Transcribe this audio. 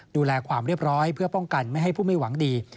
ดูแลความเรียบร้อยเพื่อป้องกันไม่ให้ผู้ไม่หวังดี